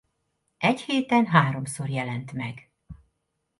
Egy héten háromszor jelent meg.